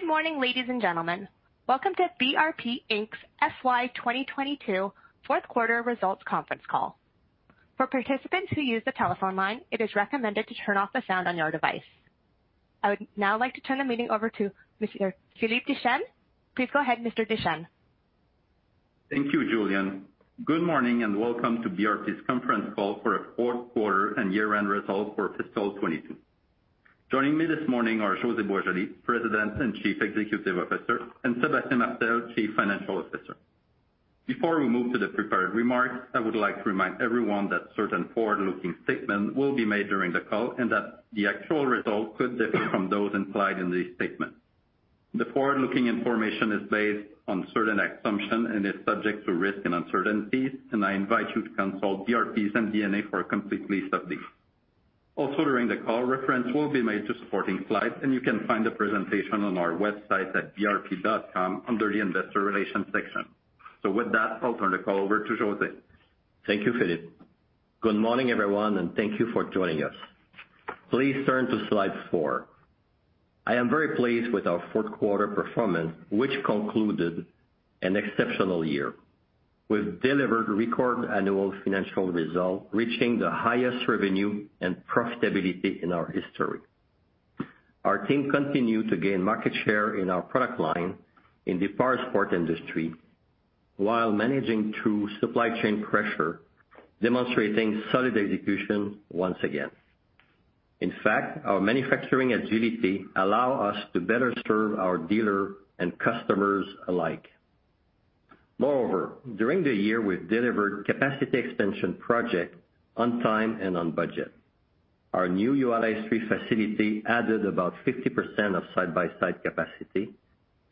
Good morning, ladies and gentlemen. Welcome to BRP Inc.'s FY 2022 fourth quarter results conference call. For participants who use the telephone line, it is recommended to turn off the sound on your device. I would now like to turn the meeting over to Mr. Philippe Deschênes. Please go ahead, Mr. Deschênes. Thank you, Julian. Good morning, and welcome to BRP's conference call for the fourth quarter and year-end results for fiscal 2022. Joining me this morning are José Boisjoli, President and Chief Executive Officer, and Sébastien Martel, Chief Financial Officer. Before we move to the prepared remarks, I would like to remind everyone that certain forward-looking statements will be made during the call and that the actual results could differ from those implied in these statements. The forward-looking information is based on certain assumptions and is subject to risks and uncertainties, and I invite you to consult BRP's MD&A for a complete list of these. Also, during the call, reference will be made to supporting slides, and you can find the presentation on our website at brp.com under the investor relations section. With that, I'll turn the call over to José. Thank you, Philippe. Good morning, everyone, and thank you for joining us. Please turn to slide four. I am very pleased with our fourth quarter performance, which concluded an exceptional year. We've delivered record annual financial results, reaching the highest revenue and profitability in our history. Our team continued to gain market share in our product line in the powersports industry while managing through supply chain pressure, demonstrating solid execution once again. In fact, our manufacturing agility allow us to better serve our dealer and customers alike. Moreover, during the year, we've delivered capacity expansion project on time and on budget. Our new Valcourt facility added about 50% of side-by-side capacity,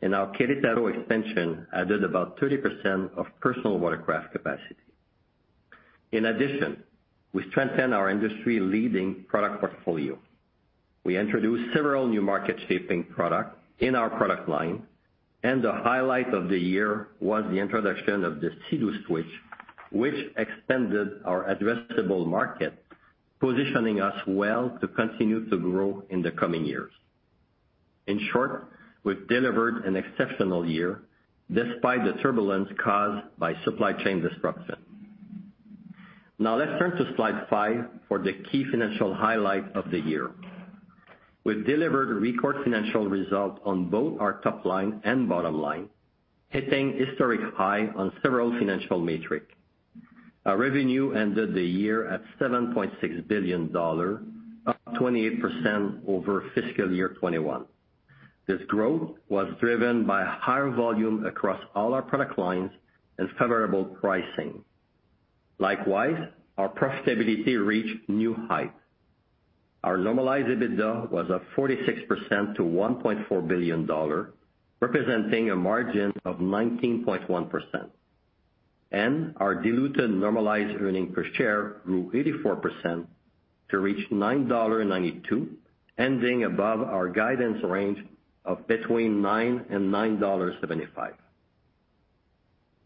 and our Querétaro extension added about 30% of personal watercraft capacity. In addition, we strengthened our industry-leading product portfolio. We introduced several new market-shaping products in our product line, and the highlight of the year was the introduction of the Sea-Doo Switch, which extended our addressable market, positioning us well to continue to grow in the coming years. In short, we've delivered an exceptional year despite the turbulence caused by supply chain disruption. Now let's turn to slide five for the key financial highlights of the year. We've delivered record financial results on both our top line and bottom line, hitting historic highs on several financial metrics. Our revenue ended the year at 7.6 billion dollars, up 28% over fiscal year 2021. This growth was driven by higher volume across all our product lines and favorable pricing. Likewise, our profitability reached new heights. Our normalized EBITDA was up 46%-CAD 1.4 billion, representing a margin of 19.1%. Our diluted normalized earnings per share grew 84% to reach 9.92 dollar, ending above our guidance range of between 9 and 9.75 dollars.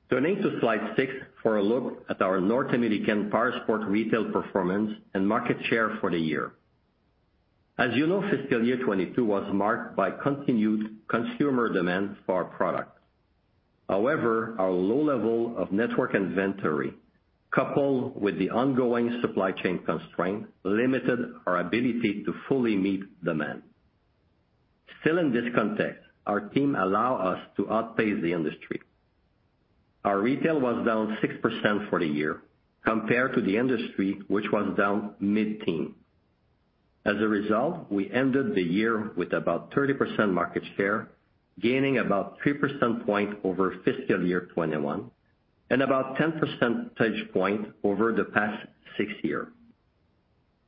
Turning to slide six for a look at our North American powersport retail performance and market share for the year. As you know, fiscal 2022 was marked by continued consumer demand for our products. However, our low level of network inventory, coupled with the ongoing supply chain constraints, limited our ability to fully meet demand. Still in this context, our team allow us to outpace the industry. Our retail was down 6% for the year compared to the industry, which was down mid-teens. As a result, we ended the year with about 30% market share, gaining about three percentage points over fiscal 2021 and about 10 percentage points over the past six years.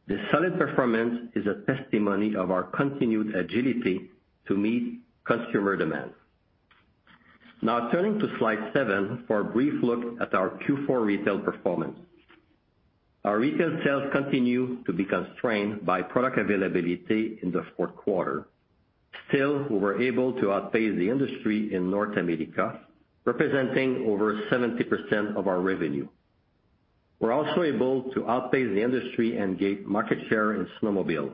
This solid performance is a testimony of our continued agility to meet customer demand. Now turning to slide seven for a brief look at our Q4 retail performance. Our retail sales continued to be constrained by product availability in the fourth quarter. Still, we were able to outpace the industry in North America, representing over 70% of our revenue. We're also able to outpace the industry and gain market share in snowmobiles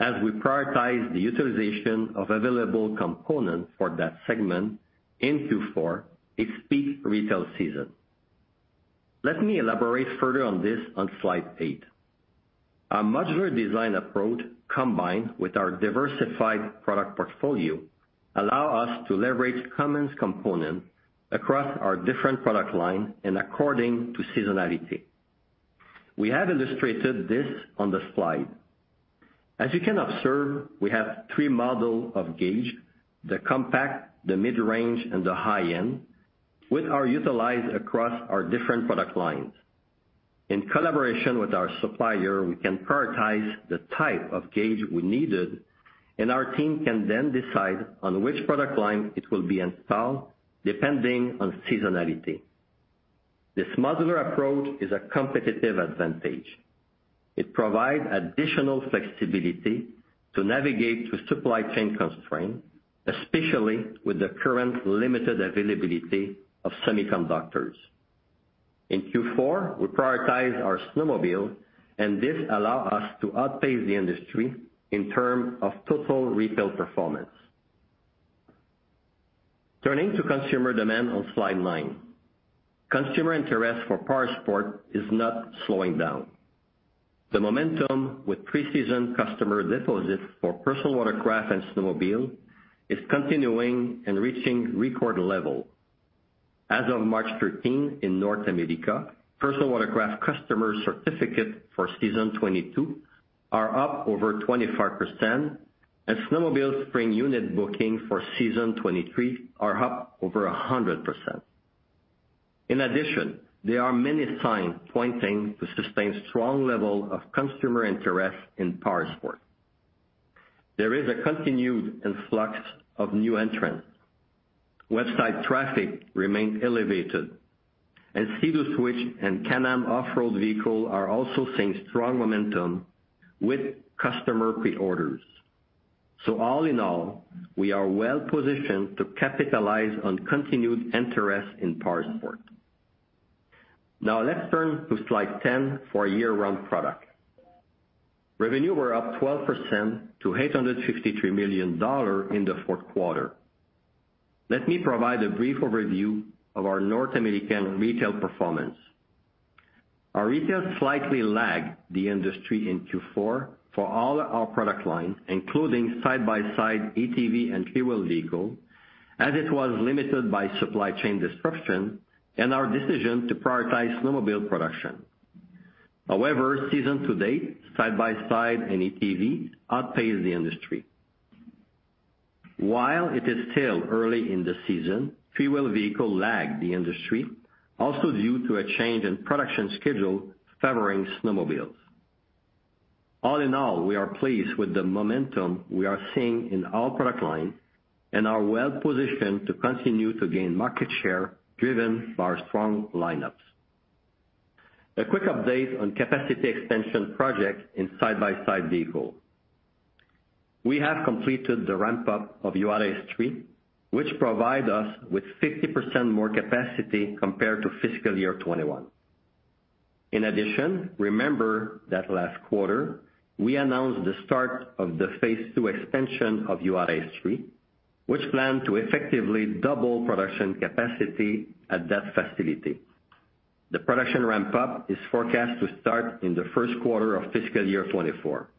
as we prioritize the utilization of available components for that segment into Q4 for its peak retail season. Let me elaborate further on this on slide eight. Our modular design approach, combined with our diversified product portfolio, allow us to leverage common components across our different product line and adapt to seasonality. We have illustrated this on the slide. As you can observe, we have three models of gauges, the compact, the mid-range, and the high-end, which are utilized across our different product lines. In collaboration with our supplier, we can prioritize the type of gauge we needed, and our team can then decide on which product line it will be installed, depending on seasonality. This modular approach is a competitive advantage. It provides additional flexibility to navigate through supply chain constraints, especially with the current limited availability of semiconductors. In Q4, we prioritized our snowmobile, and this allowed us to outpace the industry in terms of total retail performance. Turning to consumer demand on Slide nine. Consumer interest for powersports is not slowing down. The momentum with preseason customer deposits for personal watercraft and snowmobile is continuing and reaching record levels. As of March 13 in North America, personal watercraft customer certificates for season 2022 are up over 25%, and snowmobile spring unit bookings for season 2023 are up over 100%. In addition, there are many signs pointing to sustained strong level of consumer interest in powersports. There is a continued influx of new entrants. Website traffic remains elevated. Sea-Doo Switch and Can-Am off-road vehicle are also seeing strong momentum with customer pre-orders. All in all, we are well-positioned to capitalize on continued interest in powersports. Now let's turn to slide 10 for year-round product. Revenue were up 12%-CAD 853 million in the fourth quarter. Let me provide a brief overview of our North American retail performance. Our retail slightly lagged the industry in Q4 for all our product line, including side-by-side ATV and three-wheel vehicle, as it was limited by supply chain disruption and our decision to prioritize snowmobile production. However, season to date, side-by-side and ATV outpaced the industry. While it is still early in the season, three-wheel vehicle lagged the industry, also due to a change in production schedule favoring snowmobiles. All in all, we are pleased with the momentum we are seeing in all product line and are well-positioned to continue to gain market share driven by our strong lineups. A quick update on capacity extension project in side-by-side vehicle. We have completed the ramp-up of Juárez 3, which provide us with 50% more capacity compared to fiscal year 2021. In addition, remember that last quarter, we announced the start of the phase two expansion of Juárez 3, which plan to effectively double production capacity at that facility. The production ramp-up is forecast to start in the first quarter of fiscal year 2024.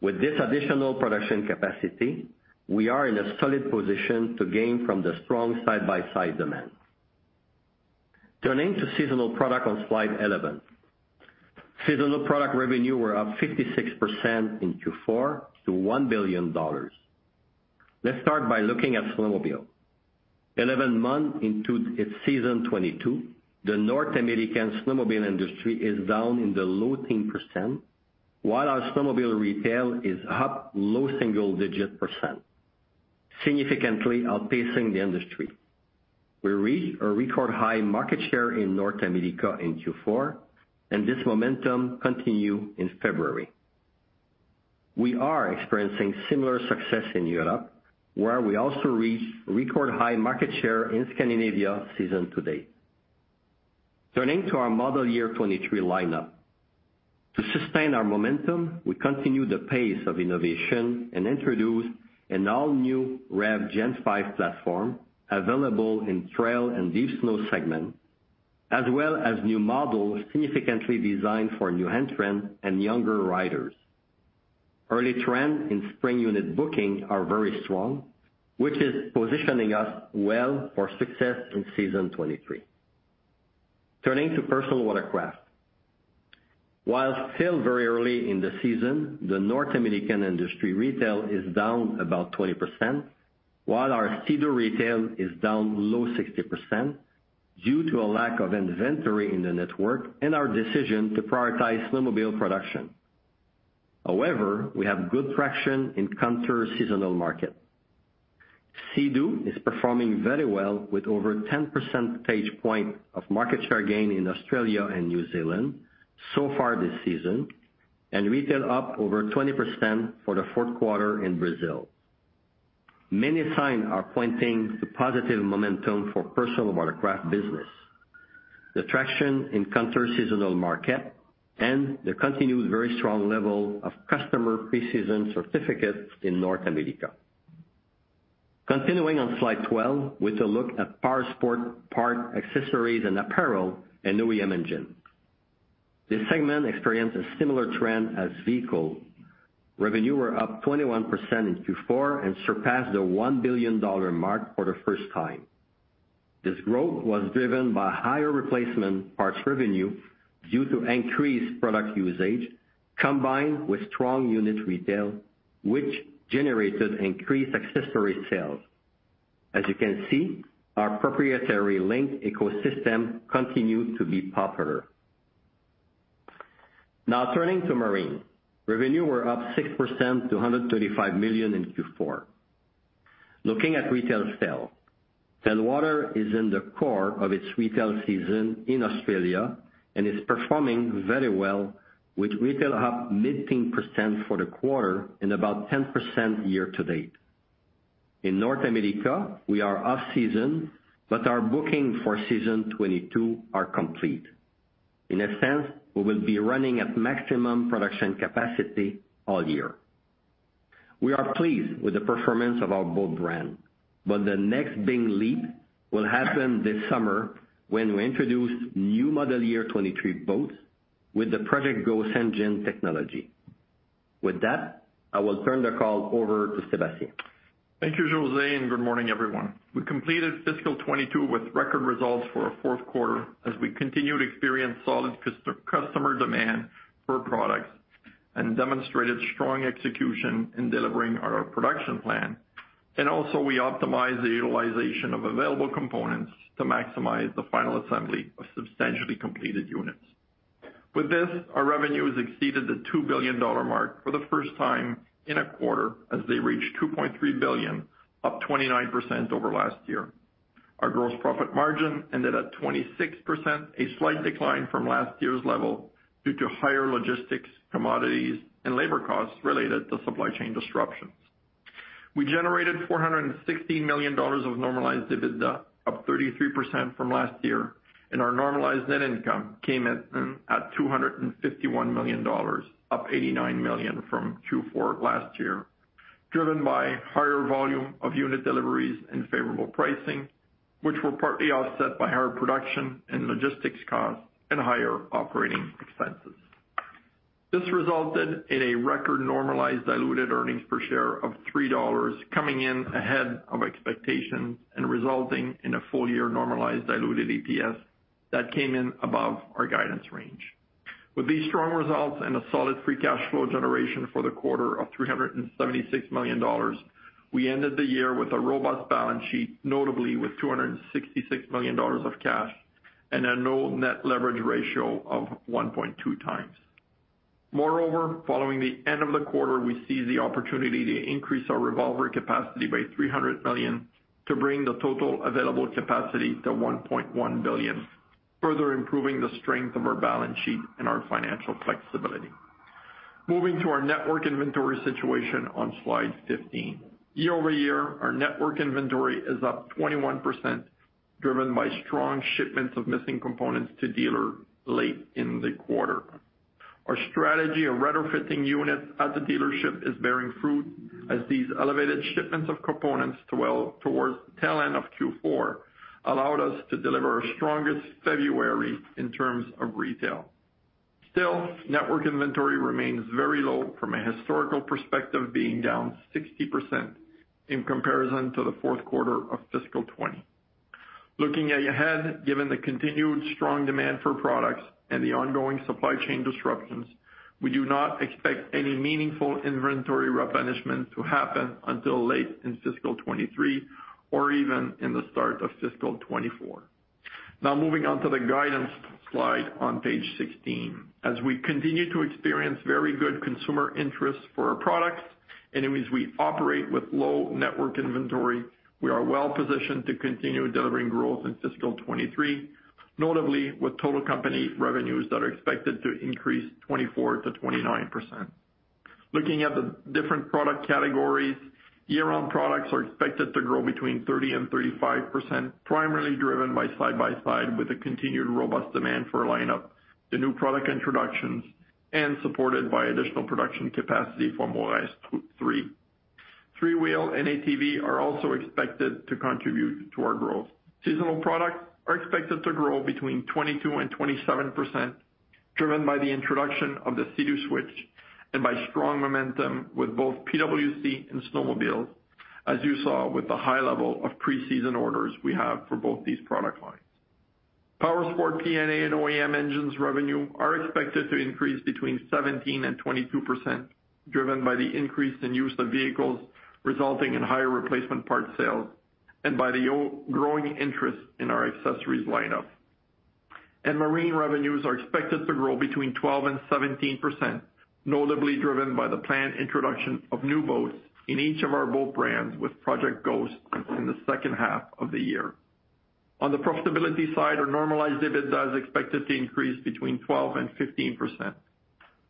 With this additional production capacity, we are in a solid position to gain from the strong side-by-side demand. Turning to seasonal product on slide 11. Seasonal product revenue were up 56% in Q4 to CAD 1 billion. Let's start by looking at snowmobile. 11 months into its season 2022, the North American snowmobile industry is down in the low teens percent, while our snowmobile retail is up low single digits%, significantly outpacing the industry. We reached a record high market share in North America in Q4, and this momentum continue in February. We are experiencing similar success in Europe, where we also reached record high market share in Scandinavia season to date. Turning to our model year 2023 lineup. To sustain our momentum, we continue the pace of innovation and introduce an all-new REV Gen5 platform available in trail and deep snow segment, as well as new models significantly designed for new entrants and younger riders. Early trend in spring unit booking are very strong, which is positioning us well for success in season 2023. Turning to personal watercraft. While still very early in the season, the North American industry retail is down about 20%, while our Sea-Doo retail is down low 60% due to a lack of inventory in the network and our decision to prioritize snowmobile production. However, we have good traction in counter-seasonal market. Sea-Doo is performing very well with over 10% percentage point of market share gain in Australia and New Zealand so far this season, and retail up over 20% for the fourth quarter in Brazil. Many signs are pointing to positive momentum for personal watercraft business, the traction in counter-seasonal market and the continued very strong level of customer preseason certificates in North America. Continuing on slide 12 with a look at powersports parts, accessories, and apparel and OEM engine. This segment experienced a similar trend as vehicles. Revenue was up 21% in Q4 and surpassed the 1 billion dollar mark for the first time. This growth was driven by higher replacement parts revenue due to increased product usage combined with strong unit retail, which generated increased accessory sales. As you can see, our proprietary LinQ ecosystem continued to be popular. Now turning to marine. Revenue was up 6%-CAD 135 million in Q4. Looking at retail sales. Well, Quintrex is in the core of its retail season in Australia and is performing very well with retail up mid-teens% for the quarter and about 10% year to date. In North America, we are off-season, but our bookings for season 2022 are complete. In a sense, we will be running at maximum production capacity all year. We are pleased with the performance of our boat brand, but the next big leap will happen this summer when we introduce new model year 2023 boats with the Project Ghost engine technology. With that, I will turn the call over to Sébastien. Thank you, José, and good morning, everyone. We completed fiscal 2022 with record results for our fourth quarter as we continued to experience solid customer demand for products and demonstrated strong execution in delivering our production plan. We also optimized the utilization of available components to maximize the final assembly of substantially completed units. With this, our revenues exceeded the 2 billion dollar mark for the first time in a quarter as they reached 2.3 billion, up 29% over last year. Our gross profit margin ended at 26%, a slight decline from last year's level due to higher logistics, commodities, and labor costs related to supply chain disruptions. We generated 460 million dollars of normalized EBITDA, up 33% from last year, and our normalized net income came in at 251 million dollars, up 89 million from Q4 last year, driven by higher volume of unit deliveries and favorable pricing, which were partly offset by higher production and logistics costs and higher operating expenses. This resulted in a record normalized diluted earnings per share of 3 dollars, coming in ahead of expectations and resulting in a full year normalized diluted EPS that came in above our guidance range. With these strong results and a solid free cash flow generation for the quarter of 376 million dollars, we ended the year with a robust balance sheet, notably with 266 million dollars of cash and a low net leverage ratio of 1.2x. Moreover, following the end of the quarter, we seized the opportunity to increase our revolver capacity by 300 million to bring the total available capacity to 1.1 billion, further improving the strength of our balance sheet and our financial flexibility. Moving to our network inventory situation on slide 15. Year-over-year, our network inventory is up 21%, driven by strong shipments of missing components to dealer late in the quarter. Our strategy of retrofitting units at the dealership is bearing fruit as these elevated shipments of components towards the tail end of Q4 allowed us to deliver our strongest February in terms of retail. Still, network inventory remains very low from a historical perspective, being down 60% in comparison to the fourth quarter of fiscal 2020. Looking ahead, given the continued strong demand for products and the ongoing supply chain disruptions, we do not expect any meaningful inventory replenishment to happen until late in fiscal 2023 or even in the start of fiscal 2024. Now moving on to the guidance slide on page 16. As we continue to experience very good consumer interest for our products, and as we operate with low network inventory, we are well-positioned to continue delivering growth in fiscal 2023, notably with total company revenues that are expected to increase 24%-29%. Looking at the different product categories, year-round products are expected to grow between 30%-35%, primarily driven by side-by-side with a continued robust demand for lineup, the new product introductions, and supported by additional production capacity for Maverick X3. Three-wheel and ATV are also expected to contribute to our growth. Seasonal products are expected to grow 22%-27%, driven by the introduction of the Sea-Doo Switch and by strong momentum with both PWC and snowmobiles, as you saw with the high level of pre-season orders we have for both these product lines. Powersport PA&A and OEM engines revenue are expected to increase 17%-22%, driven by the increase in use of vehicles resulting in higher replacement part sales and by the growing interest in our accessories lineup. Marine revenues are expected to grow 12%-17%, notably driven by the planned introduction of new boats in each of our boat brands with Project Ghost in the second half of the year. On the profitability side, our normalized EBITDA is expected to increase 12%-15%.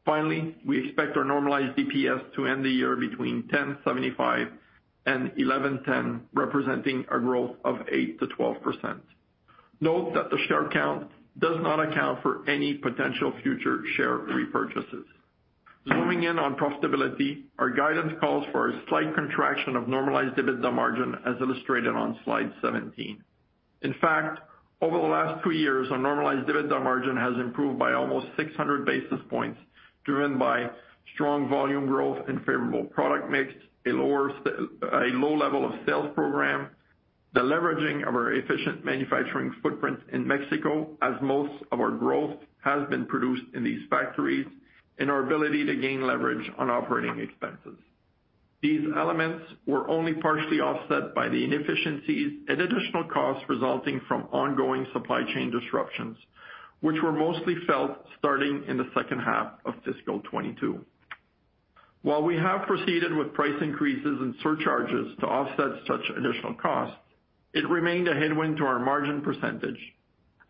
Finally, we expect our normalized EPS to end the year between 10.75 and 11.10, representing a growth of 8%-12%. Note that the share count does not account for any potential future share repurchases. Zooming in on profitability, our guidance calls for a slight contraction of normalized EBITDA margin as illustrated on slide 17. In fact, over the last two years, our normalized EBITDA margin has improved by almost 600 basis points driven by strong volume growth and favorable product mix, a low level of sales program, the leveraging of our efficient manufacturing footprint in Mexico, as most of our growth has been produced in these factories, and our ability to gain leverage on operating expenses. These elements were only partially offset by the inefficiencies and additional costs resulting from ongoing supply chain disruptions, which were mostly felt starting in the second half of fiscal 2022. While we have proceeded with price increases and surcharges to offset such additional costs, it remained a headwind to our margin percentage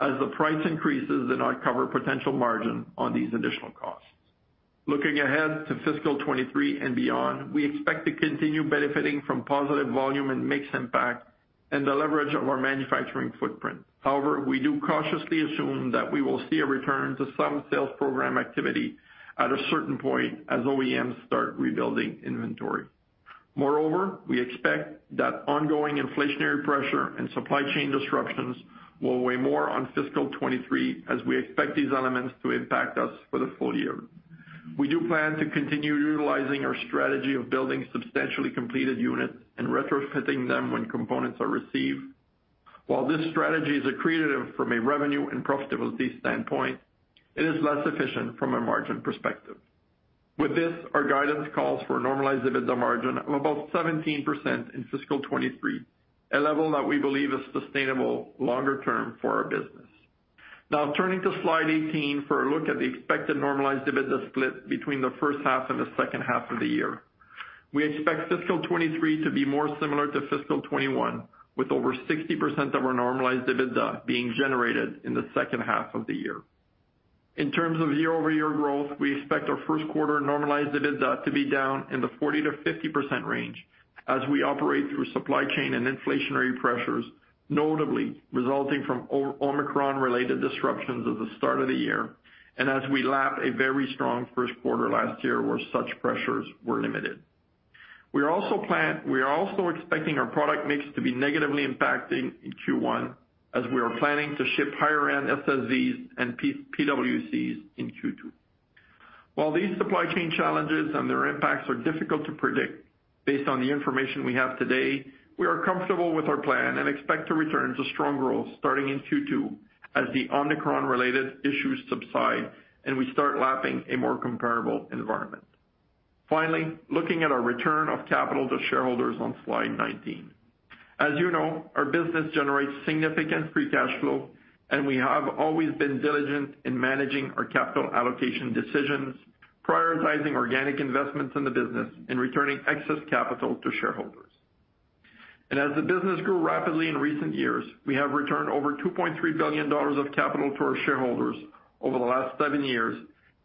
as the price increases did not cover potential margin on these additional costs. Looking ahead to fiscal 2023 and beyond, we expect to continue benefiting from positive volume and mix impact and the leverage of our manufacturing footprint. However, we do cautiously assume that we will see a return to some sales program activity at a certain point as OEMs start rebuilding inventory. Moreover, we expect that ongoing inflationary pressure and supply chain disruptions will weigh more on fiscal 2023, as we expect these elements to impact us for the full year. We do plan to continue utilizing our strategy of building substantially completed units and retrofitting them when components are received. While this strategy is accretive from a revenue and profitability standpoint, it is less efficient from a margin perspective. With this, our guidance calls for a normalized EBITDA margin of about 17% in FY 2023, a level that we believe is sustainable longer term for our business. Now turning to slide 18 for a look at the expected normalized EBITDA split between the first half and the second half of the year. We expect FY 2023 to be more similar to FY 2021, with over 60% of our normalized EBITDA being generated in the second half of the year. In terms of year-over-year growth, we expect our first quarter normalized EBITDA to be down in the 40%-50% range as we operate through supply chain and inflationary pressures, notably resulting from Omicron-related disruptions at the start of the year, and as we lap a very strong first quarter last year where such pressures were limited. We are also expecting our product mix to be negatively impacting in Q1 as we are planning to ship higher-end SSVs and PWCs in Q2. While these supply chain challenges and their impacts are difficult to predict, based on the information we have today, we are comfortable with our plan and expect to return to strong growth starting in Q2 as the Omicron-related issues subside and we start lapping a more comparable environment. Finally, looking at our return of capital to shareholders on slide 19. As you know, our business generates significant free cash flow, and we have always been diligent in managing our capital allocation decisions, prioritizing organic investments in the business and returning excess capital to shareholders. As the business grew rapidly in recent years, we have returned over 2.3 billion dollars of capital to our shareholders over the last seven years,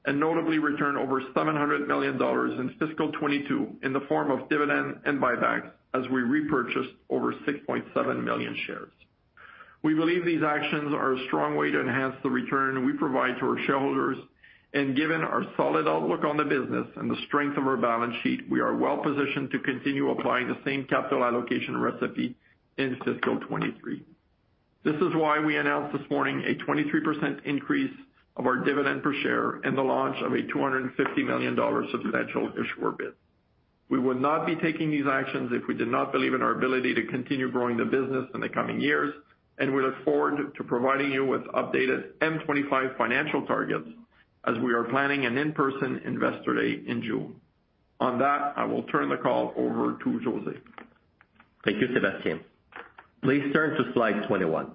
and notably returned over 700 million dollars in fiscal 2022 in the form of dividend and buybacks, as we repurchased over 6.7 million shares. We believe these actions are a strong way to enhance the return we provide to our shareholders, and given our solid outlook on the business and the strength of our balance sheet, we are well positioned to continue applying the same capital allocation recipe in fiscal 2023. This is why we announced this morning a 23% increase of our dividend per share and the launch of a 250 million dollar substantial issuer bid. We would not be taking these actions if we did not believe in our ability to continue growing the business in the coming years, and we look forward to providing you with updated Mission 2025 financial targets as we are planning an in-person investor day in June. On that, I will turn the call over to José. Thank you, Sébastien. Please turn to slide 21.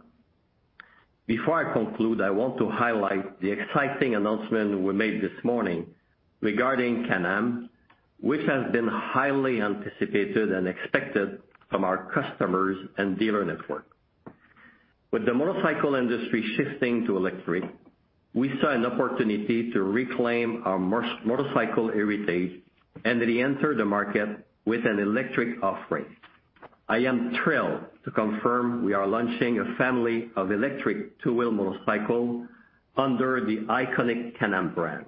Before I conclude, I want to highlight the exciting announcement we made this morning regarding Can-Am, which has been highly anticipated and expected from our customers and dealer network. With the motorcycle industry shifting to electric, we saw an opportunity to reclaim our motorcycle heritage and re-enter the market with an electric offering. I am thrilled to confirm we are launching a family of electric two-wheel motorcycles under the iconic Can-Am brand.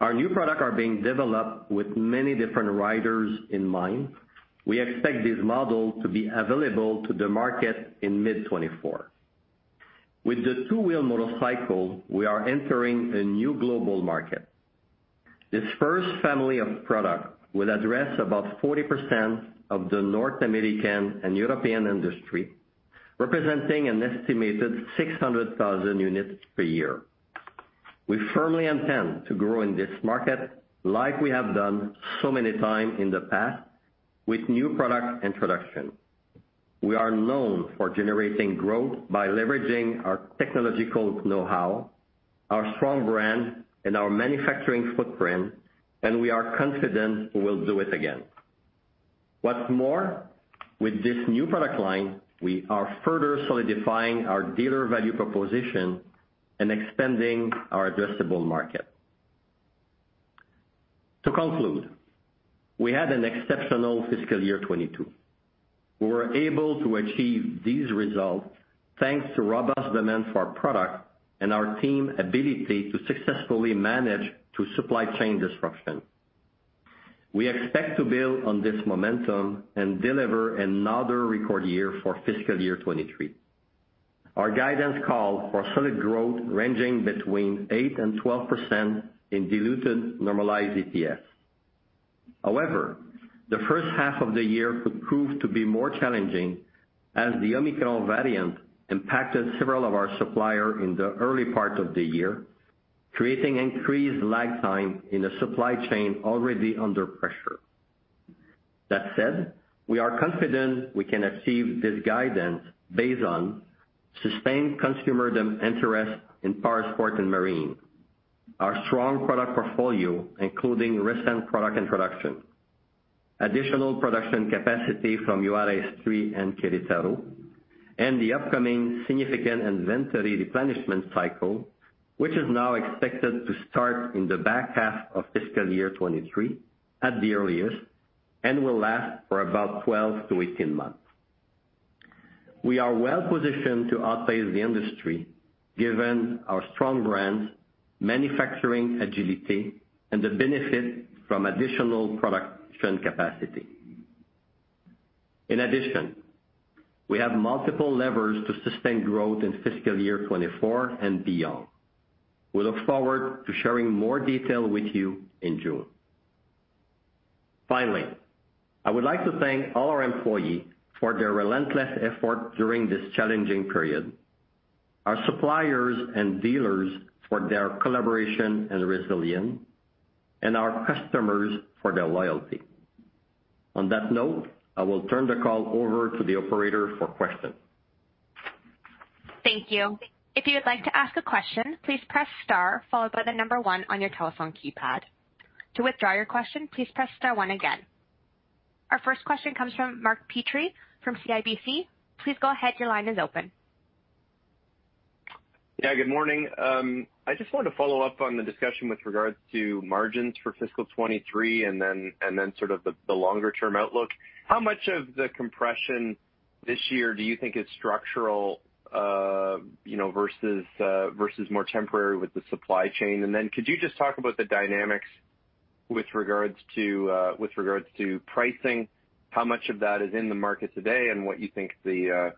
Our new product are being developed with many different riders in mind. We expect this model to be available to the market in mid-2024. With the two-wheel motorcycle, we are entering a new global market. This first family of product will address about 40% of the North American and European industry, representing an estimated 600,000 units per year. We firmly intend to grow in this market like we have done so many times in the past with new product introduction. We are known for generating growth by leveraging our technological know-how, our strong brand, and our manufacturing footprint, and we are confident we'll do it again. What's more, with this new product line, we are further solidifying our dealer value proposition and expanding our addressable market. To conclude, we had an exceptional fiscal year 2022. We were able to achieve these results thanks to robust demand for our product and our team ability to successfully manage through supply chain disruption. We expect to build on this momentum and deliver another record year for fiscal year 2023. Our guidance calls for solid growth ranging between 8%-12% in diluted normalized EPS. However, the first half of the year could prove to be more challenging as the Omicron variant impacted several of our suppliers in the early part of the year, creating increased lag time in a supply chain already under pressure. That said, we are confident we can achieve this guidance based on sustained consumer demand interest in powersports and marine, our strong product portfolio, including recent product introduction, additional production capacity from Juárez 3 and Querétaro, and the upcoming significant inventory replenishment cycle, which is now expected to start in the back half of fiscal year 2023 at the earliest and will last for about 12-18 months. We are well positioned to outpace the industry given our strong brands, manufacturing agility and the benefit from additional production capacity. In addition, we have multiple levers to sustain growth in fiscal year 2024 and beyond. We look forward to sharing more detail with you in June. Finally, I would like to thank all our employees for their relentless effort during this challenging period, our suppliers and dealers for their collaboration and resilience, and our customers for their loyalty. On that note, I will turn the call over to the operator for questions. Thank you. If you would like to ask a question, please press star followed by the number one on your telephone keypad. To withdraw your question, please press star one again. Our first question comes from Mark Petrie from CIBC. Please go ahead. Your line is open. Yeah, good morning. I just wanted to follow up on the discussion with regards to margins for fiscal 2023 and then sort of the longer term outlook. How much of the compression this year do you think is structural, you know, versus more temporary with the supply chain? And then could you just talk about the dynamics with regards to pricing, how much of that is in the market today and what you think the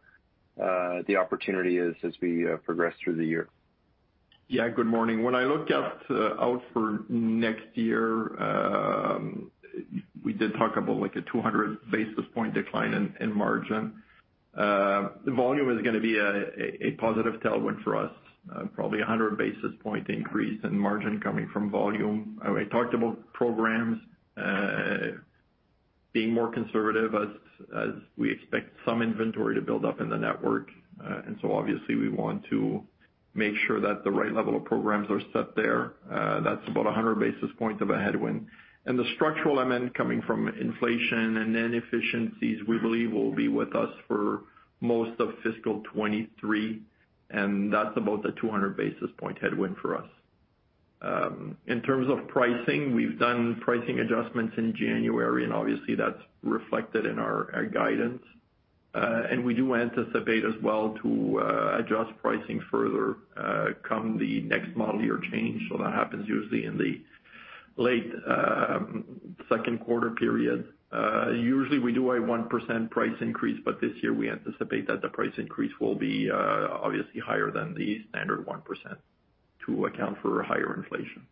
opportunity is as we progress through the year? Yeah. Good morning. When I look out for next year, we did talk about like a 200 basis point decline in margin. The volume is gonna be a positive tailwind for us, probably a 100 basis point increase in margin coming from volume. I talked about programs being more conservative as we expect some inventory to build up in the network. Obviously we want to make sure that the right level of programs are set there. That's about a 100 basis points of a headwind. The structural I meant coming from inflation and inefficiencies we believe will be with us for most of fiscal 2023, and that's about a 200 basis point headwind for us. In terms of pricing, we've done pricing adjustments in January, and obviously that's reflected in our guidance. We do anticipate as well to adjust pricing further come the next model year change. That happens usually in the late second quarter period. Usually we do a 1% price increase, but this year we anticipate that the price increase will be obviously higher than the standard 1% to account for higher inflation.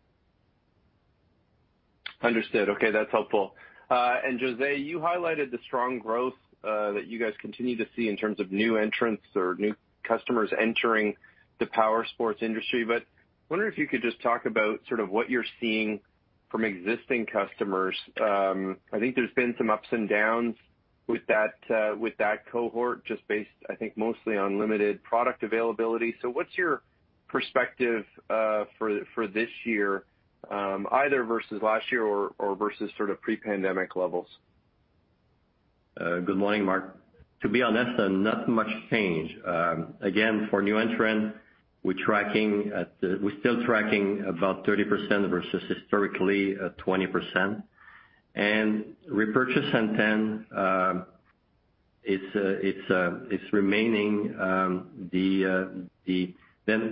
Understood. Okay, that's helpful. And José, you highlighted the strong growth that you guys continue to see in terms of new entrants or new customers entering the powersports industry, but wondering if you could just talk about sort of what you're seeing from existing customers. I think there's been some ups and downs with that cohort, just based, I think, mostly on limited product availability. What's your perspective for this year, either versus last year or versus sort of pre-pandemic levels? Good morning, Mark. To be honest, not much change. Again, for new entrant, we're still tracking about 30% versus historically 20%. Repurchase intent, it's remaining.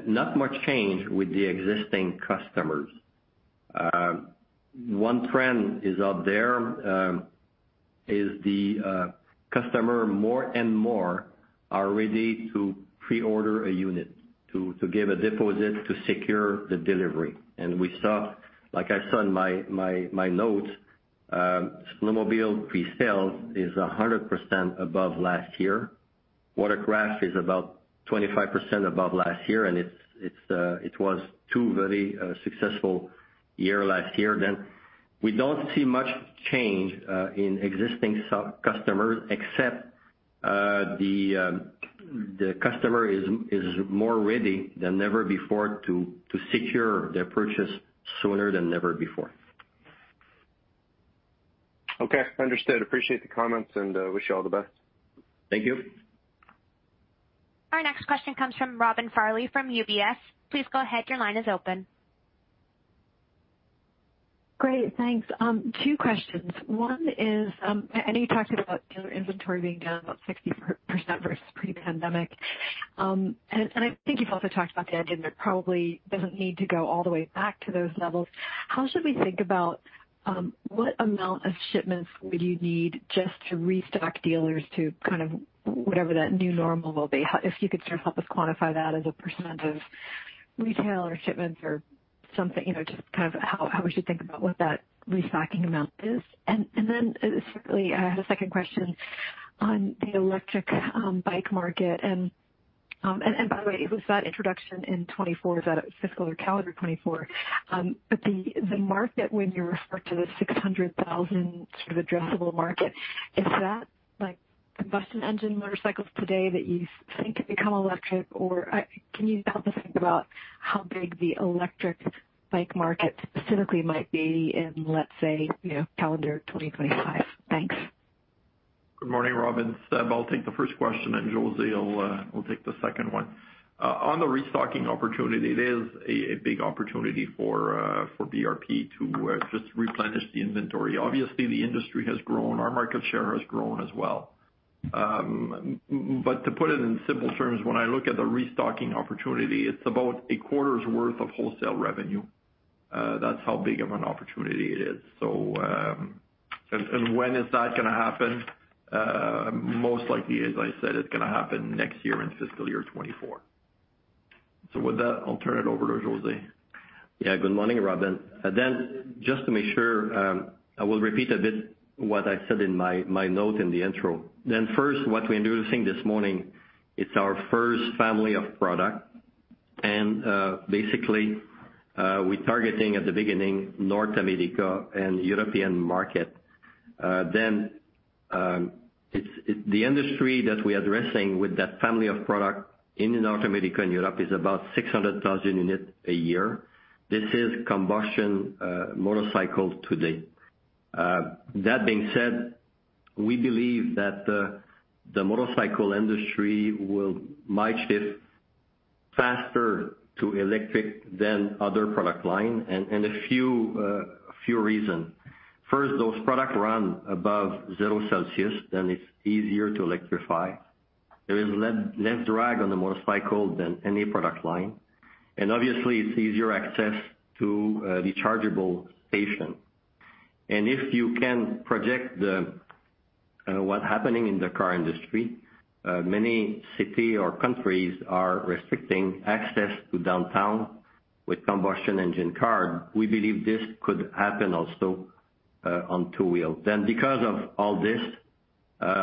Not much change with the existing customers. One trend is out there, the customer more and more are ready to pre-order a unit to give a deposit to secure the delivery. We saw, like I said in my note, snowmobile presales is 100% above last year. Watercraft is about 25% above last year, and it was two very successful year last year. We don't see much change in existing customers except the customer is more ready than ever before to secure their purchase sooner than ever before. Okay. Understood. Appreciate the comments and wish you all the best. Thank you. Our next question comes from Robin Farley from UBS. Please go ahead. Your line is open. Great, thanks. Two questions. One is, I know you talked about dealer inventory being down about 60% versus pre-pandemic. I think you've also talked about the ending inventory that probably doesn't need to go all the way back to those levels. How should we think about what amount of shipments would you need just to restock dealers to kind of whatever that new normal will be? If you could sort of help us quantify that as a percentage of retail or shipments or something. You know, just kind of how we should think about what that restocking amount is. Then secondly, I had a second question on the electric bike market. By the way, was that introduction in 2024, is that fiscal or calendar 2024? The market when you refer to the 600,000 sort of addressable market, is that combustion engine motorcycles today that you think could become electric? Or, can you help us think about how big the electric bike market specifically might be in, let's say, you know, calendar 2025? Thanks. Good morning, Robin. Seb, I'll take the first question, and José will take the second one. On the restocking opportunity, it is a big opportunity for BRP to just replenish the inventory. Obviously, the industry has grown. Our market share has grown as well. But to put it in simple terms, when I look at the restocking opportunity, it's about a quarter's worth of wholesale revenue. That's how big of an opportunity it is. And when is that gonna happen? Most likely, as I said, it's gonna happen next year in fiscal year 2024. With that, I'll turn it over to José. Good morning, Robin. Just to make sure, I will repeat a bit what I said in my note in the intro. First, what we're introducing this morning, it's our first family of product and basically, we're targeting at the beginning North America and Europe market. The industry that we're addressing with that family of product in North America and Europe is about 600,000 units a year. This is combustion motorcycles to date. That being said, we believe that the motorcycle industry will migrate faster to electric than other product line, and a few reasons. First, those products run above zero Celsius, it's easier to electrify. There is less drag on the motorcycle than any product line. And obviously, it's easier access to the charging station. If you can project what's happening in the car industry, many cities or countries are restricting access to downtown with combustion engine cars. We believe this could happen also on two-wheel. Because of all this,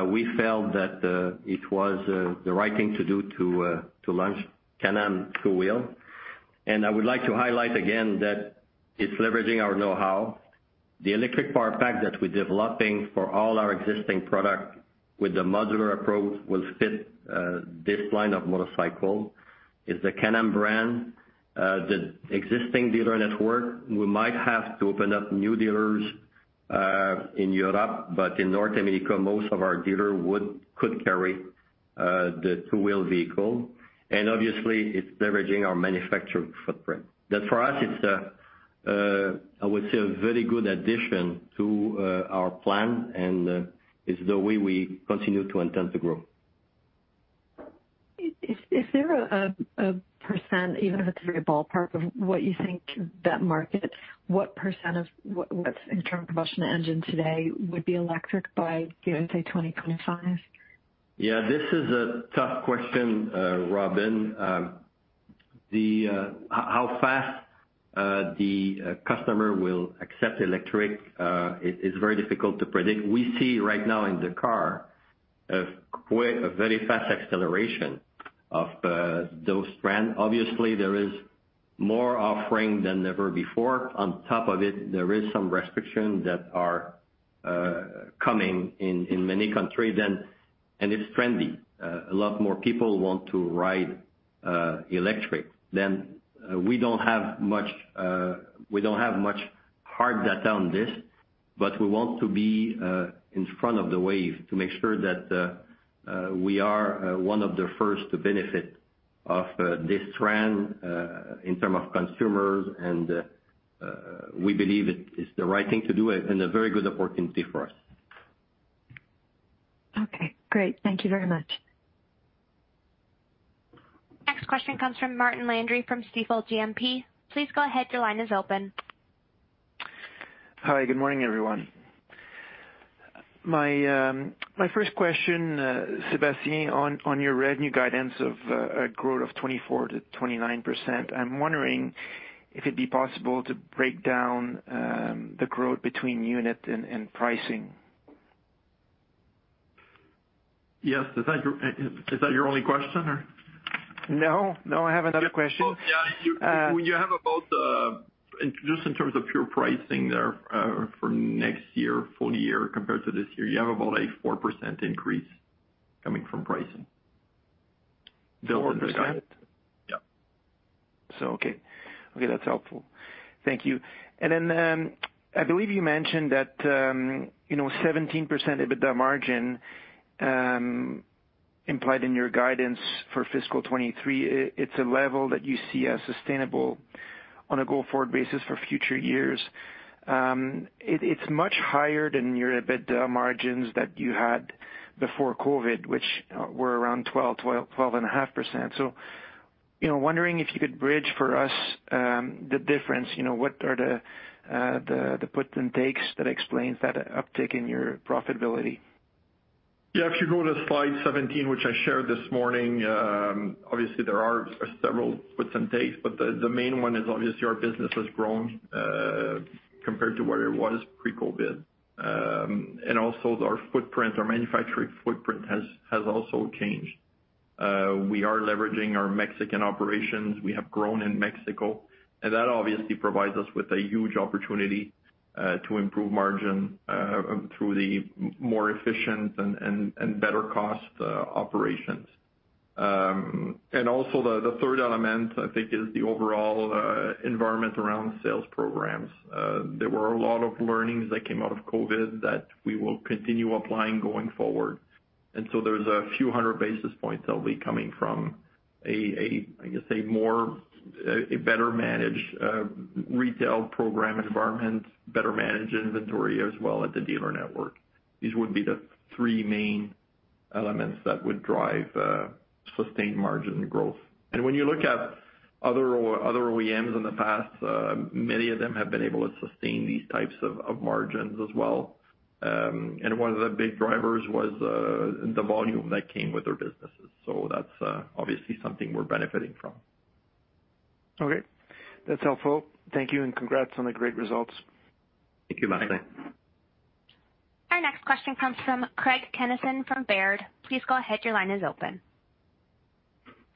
we felt that it was the right thing to do to launch Can-Am two-wheel. I would like to highlight again that it's leveraging our know-how. The electric power pack that we're developing for all our existing products with the modular approach will fit this line of motorcycles. It's the Can-Am brand. The existing dealer network, we might have to open up new dealers in Europe, but in North America, most of our dealers could carry the two-wheel vehicle. Obviously, it's leveraging our manufacturing footprint. For us, it's a, I would say, a very good addition to our plan, and is the way we continue to intend to grow. Is there a percent, even if it's very ballpark, of what you think that market, what percent of what's internal combustion engine today would be electric by, you know, say 2025? Yeah. This is a tough question, Robin. How fast the customer will accept electric is very difficult to predict. We see right now in the car a very fast acceleration of those trend. Obviously, there is more offering than ever before. On top of it, there is some restrictions that are coming in many countries and it's trendy. A lot more people want to ride electric. Then, we don't have much hard data on this, but we want to be in front of the wave to make sure that we are one of the first to benefit of this trend in term of consumers and we believe it is the right thing to do and a very good opportunity for us. Okay, great. Thank you very much. Next question comes from Martin Landry from Stifel GMP. Please go ahead. Your line is open. Hi. Good morning, everyone. My first question, Sébastien, on your revenue guidance of a growth of 24%-29%, I'm wondering if it'd be possible to break down the growth between unit and pricing. Yes. Is that your only question or? No. No, I have another question. Yeah. You have about, just in terms of pure pricing there, for next year, full year compared to this year, you have about a 4% increase coming from pricing. 4%? Yeah. Okay. Okay, that's helpful. Thank you. Then, I believe you mentioned that, you know, 17% EBITDA margin implied in your guidance for fiscal 2023, it's a level that you see as sustainable on a go-forward basis for future years. It's much higher than your EBITDA margins that you had before COVID, which were around 12.5%. You know, wondering if you could bridge for us the difference, you know, what are the puts and takes that explains that uptick in your profitability? Yeah. If you go to slide 17, which I shared this morning, obviously there are several puts and takes, but the main one is obviously our business has grown, compared to where it was pre-COVID. Also our footprint, our manufacturing footprint has also changed. We are leveraging our Mexican operations. We have grown in Mexico, and that obviously provides us with a huge opportunity to improve margin through the more efficient and better cost operations. The third element I think is the overall environment around sales programs. There were a lot of learnings that came out of COVID that we will continue applying going forward. There's a few hundred basis points that'll be coming from, I guess, a better managed retail program environment, better managed inventory as well at the dealer network. These would be the three main elements that would drive sustained margin growth. When you look at other OEMs in the past, many of them have been able to sustain these types of margins as well. One of the big drivers was the volume that came with their businesses. That's obviously something we're benefiting from. Okay. That's helpful. Thank you, and congrats on the great results. Thank you, Martin. Our next question comes from Craig Kennison from Baird. Please go ahead, your line is open.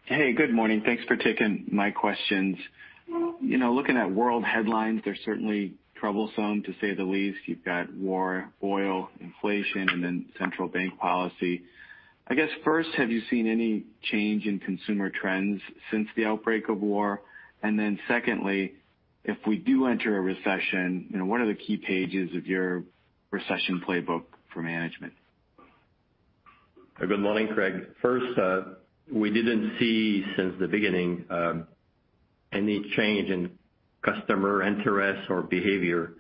Hey, good morning. Thanks for taking my questions. You know, looking at world headlines, they're certainly troublesome, to say the least. You've got war, oil, inflation, and then central bank policy. I guess, first, have you seen any change in consumer trends since the outbreak of war? Secondly, if we do enter a recession, you know, what are the key pages of your recession playbook for management? Good morning, Craig. First, we didn't see since the beginning any change in customer interest or behavior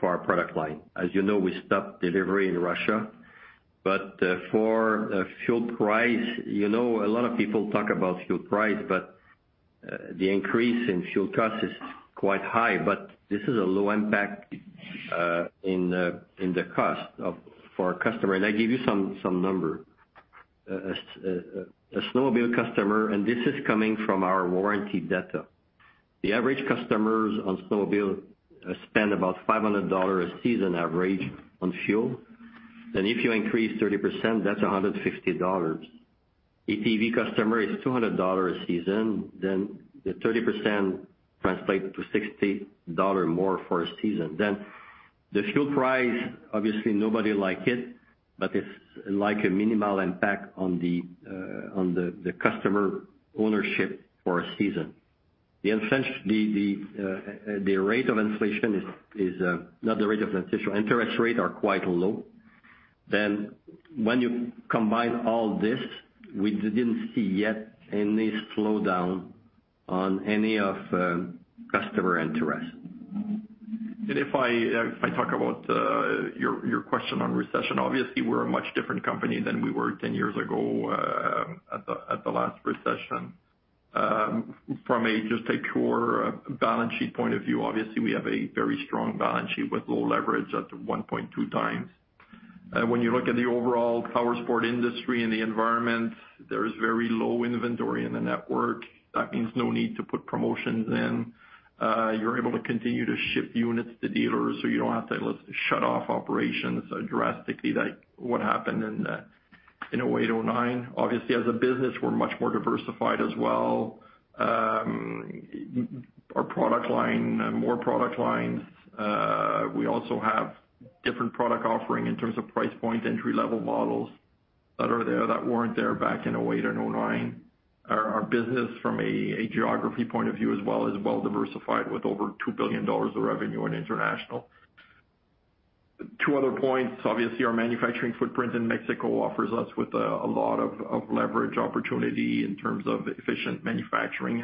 for our product line. As you know, we stopped delivery in Russia. For fuel price, you know, a lot of people talk about fuel price, but the increase in fuel cost is quite high, but this is a low impact in the cost for our customer. I give you some number. A snowmobile customer, and this is coming from our warranty data. The average customers on snowmobile spend about 500 dollars a season average on fuel. If you increase 30%, that's 150 dollars. ATV customer is 200 dollars a season, then the 30% translates to 60 dollars more for a season. The fuel price, obviously, nobody likes it, but it's like a minimal impact on the customer ownership for a season. The rate of inflation is not the rate of inflation. Interest rates are quite low. When you combine all this, we didn't see yet any slowdown in any customer interest. If I talk about your question on recession, obviously, we're a much different company than we were 10 years ago at the last recession. From just a core balance sheet point of view, obviously, we have a very strong balance sheet with low leverage at 1.2x. When you look at the overall powersports industry and the environment, there is very low inventory in the network. That means no need to put promotions in. You're able to continue to ship units to dealers, so you don't have to shut off operations drastically like what happened in 2008, 2009. Obviously, as a business, we're much more diversified as well. Our product line, more product lines. We also have different product offering in terms of price point entry-level models that are there that weren't there back in 2008 and 2009. Our business from a geography point of view as well is well diversified with over 2 billion dollars of revenue in international. Two other points. Obviously, our manufacturing footprint in Mexico offers us with a lot of leverage opportunity in terms of efficient manufacturing.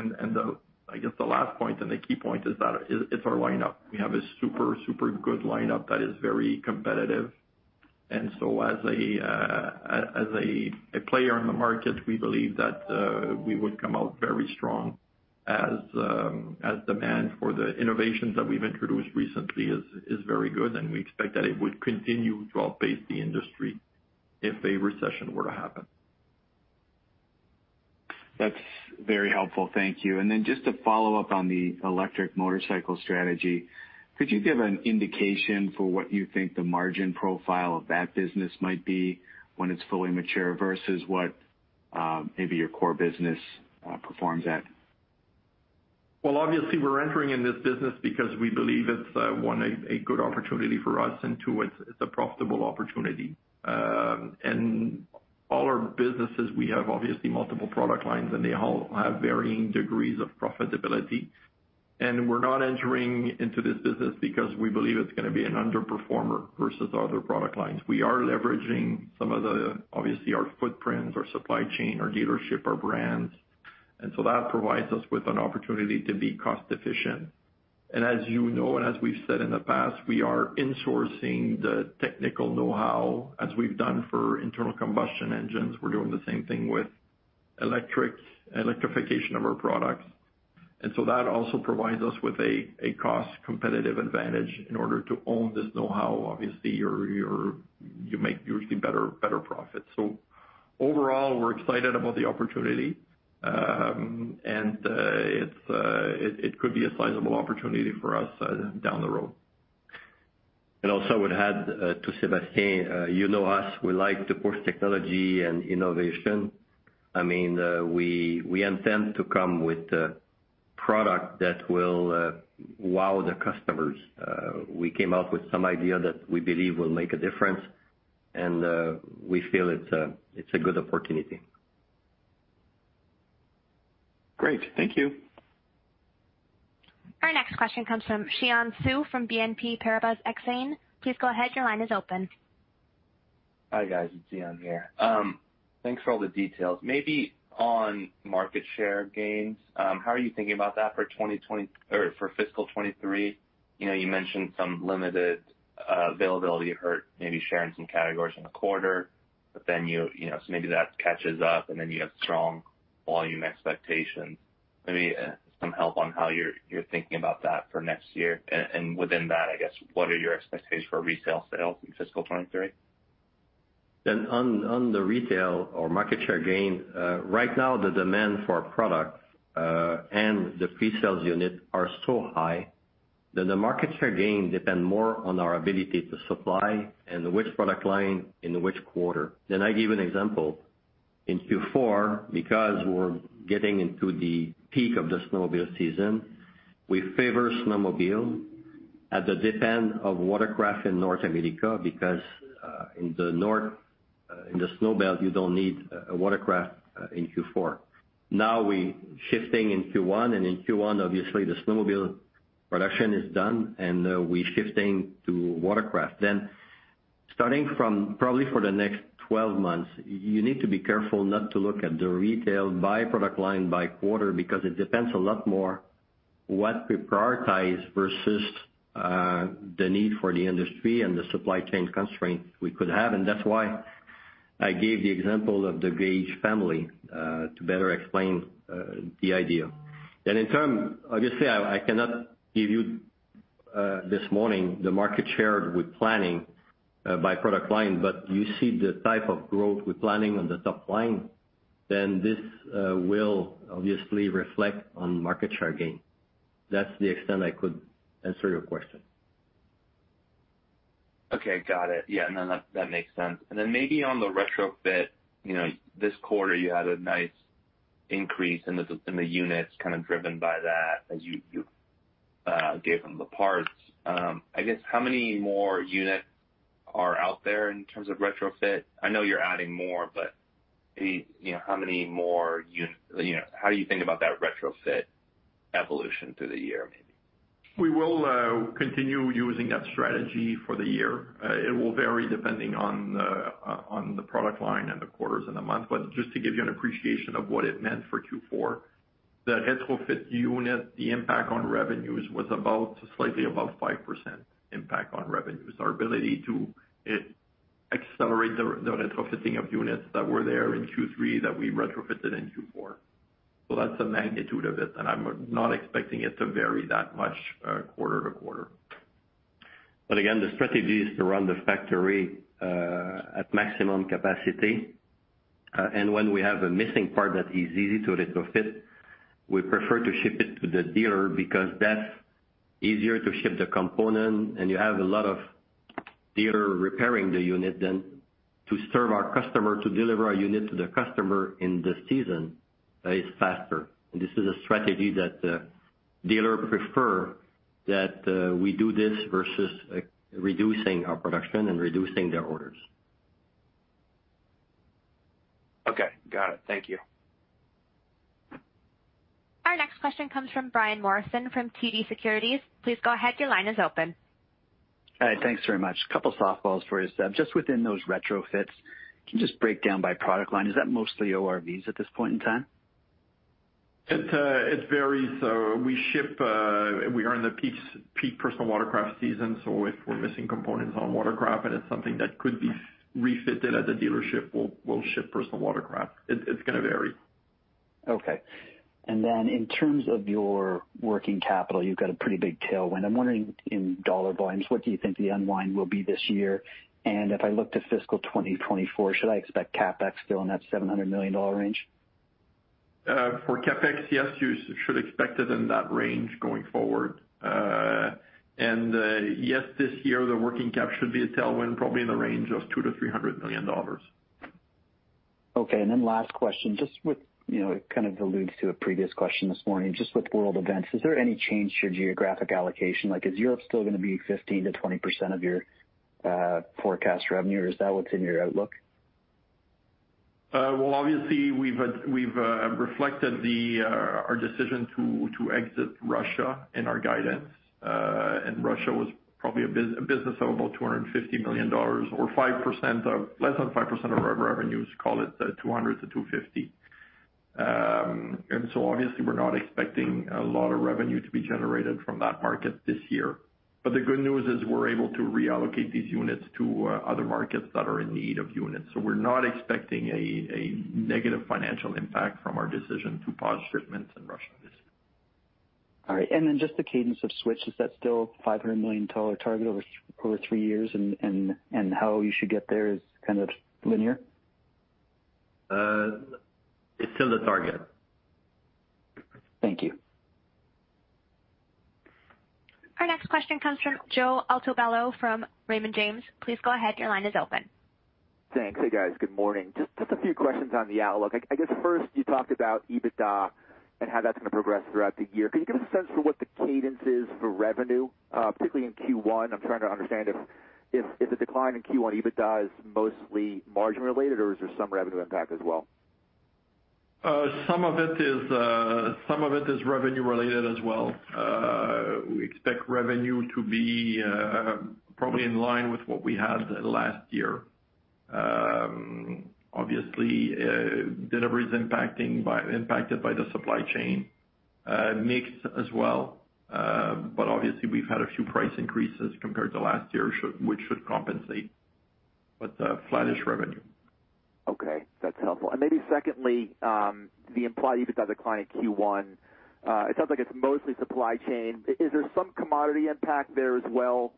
I guess the last point and the key point is that it's our lineup. We have a super good lineup that is very competitive. As a player in the market, we believe that we would come out very strong, as demand for the innovations that we've introduced recently is very good, and we expect that it would continue to outpace the industry if a recession were to happen. That's very helpful. Thank you. Just to follow up on the electric motorcycle strategy, could you give an indication for what you think the margin profile of that business might be when it's fully mature versus what, maybe your core business, performs at? Well, obviously we're entering in this business because we believe it's one, a good opportunity for us, and two, it's a profitable opportunity. All our businesses, we have obviously multiple product lines, and they all have varying degrees of profitability. We're not entering into this business because we believe it's gonna be an underperformer versus other product lines. We are leveraging some of the, obviously, our footprint, our supply chain, our dealership, our brands. That provides us with an opportunity to be cost efficient. As you know, and as we've said in the past, we are insourcing the technical know-how. As we've done for internal combustion engines, we're doing the same thing with electrics, electrification of our products. That also provides us with a cost competitive advantage. In order to own this know-how, obviously, you make usually better profits. Overall, we're excited about the opportunity. It could be a sizable opportunity for us down the road. Also I would add to Sébastien, you know us, we like to push technology and innovation. I mean, we intend to come with a product that will wow the customers. We came up with some idea that we believe will make a difference, we feel it's a good opportunity. Great. Thank you. Our next question comes from Xian Siew from BNP Paribas Exane. Please go ahead. Your line is open. Hi, guys. It's Xian Siew here. Thanks for all the details. Maybe on market share gains, how are you thinking about that for fiscal 2023? You know, you mentioned some limited availability hurt maybe share in some categories in the quarter, but then you know, so maybe that catches up and then you have strong volume expectations. Maybe, some help on how you're thinking about that for next year. Within that, I guess, what are your expectations for retail sales in fiscal 2023? On the retail or market share gain, right now the demand for our products and the pre-sold units are so high that the market share gain depend more on our ability to supply and which product line in which quarter. I give an example. In Q4, because we're getting into the peak of the snowmobile season, we favor snowmobile at the expense of watercraft in North America because in the north, in the snow belt, you don't need a watercraft in Q4. Now we're shifting in Q1, and in Q1, obviously the snowmobile production is done and we're shifting to watercraft. Starting from probably for the next 12 months, you need to be careful not to look at the retail by product line by quarter because it depends a lot more what we prioritize versus, the need for the industry and the supply chain constraints we could have. That's why I gave the example of the gauge family to better explain the idea. Obviously I cannot give you this morning the market share we're planning by product line, but you see the type of growth we're planning on the top line, then this will obviously reflect on market share gain. That's the extent I could answer your question. Okay. Got it. Yeah. No, that makes sense. Then maybe on the retrofit, you know, this quarter you had a nice increase in the units kind of driven by that as you gave them the parts. I guess how many more units are out there in terms of retrofit? I know you're adding more, but any, you know, how many more you know, how do you think about that retrofit evolution through the year maybe? We will continue using that strategy for the year. It will vary depending on the product line and the quarters and the month. Just to give you an appreciation of what it meant for Q4, the retrofit unit, the impact on revenues was about slightly above 5% impact on revenues, our ability to accelerate the retrofitting of units that were there in Q3 that we retrofitted in Q4. That's the magnitude of it, and I'm not expecting it to vary that much quarter to quarter. Again, the strategy is to run the factory at maximum capacity. When we have a missing part that is easy to retrofit, we prefer to ship it to the dealer because that's easier to ship the component and you have a lot of dealer repairing the unit than to serve our customer, to deliver our unit to the customer in the season is faster. This is a strategy that dealer prefer that we do this versus reducing our production and reducing their orders. Okay. Got it. Thank you. Our next question comes from Brian Morrison from TD Securities. Please go ahead. Your line is open. Hi. Thanks very much. A couple softballs for you, Seb. Just within those retrofits, can you just break down by product line? Is that mostly ORVs at this point in time? It varies. We ship, we are in the peak personal watercraft season, so if we're missing components on watercraft and it's something that could be refitted at the dealership, we'll ship personal watercraft. It's gonna vary. Okay. In terms of your working capital, you've got a pretty big tailwind. I'm wondering in dollar volumes, what do you think the unwind will be this year? If I look to fiscal 2024, should I expect CapEx still in that 700 million dollar range? For CapEx, yes, you should expect it in that range going forward. Yes, this year, the working cap should be a tailwind, probably in the range of 200 million-300 million dollars. Okay. Last question, just with, you know, it kind of alludes to a previous question this morning. Just with world events, is there any change to your geographic allocation? Like, is Europe still gonna be 15%-20% of your forecast revenue, or is that what's in your outlook? Well, obviously, we've reflected our decision to exit Russia in our guidance. Russia was probably a business of about 250 million dollars or 5%, less than 5% of our revenues, call it 200 million-250 million. Obviously we're not expecting a lot of revenue to be generated from that market this year. The good news is we're able to reallocate these units to other markets that are in need of units. We're not expecting a negative financial impact from our decision to pause shipments in Russia this year. All right. Just the cadence of Switch, is that still 500 million dollar target over three years? How you should get there is kind of linear? It's still the target. Thank you. Our next question comes from Joe Altobello from Raymond James. Please go ahead. Your line is open. Thanks. Hey, guys. Good morning. Just a few questions on the outlook. I guess first you talked about EBITDA and how that's gonna progress throughout the year. Can you give us a sense for what the cadence is for revenue, particularly in Q1? I'm trying to understand if the decline in Q1 EBITDA is mostly margin related, or is there some revenue impact as well? Some of it is revenue related as well. We expect revenue to be probably in line with what we had last year. Obviously, delivery is impacted by the supply chain, mix as well. Obviously, we've had a few price increases compared to last year which should compensate, but flattish revenue. Okay, that's helpful. Maybe secondly, the implied EBITDA decline in Q1, it sounds like it's mostly supply chain. Is there some commodity impact there as well?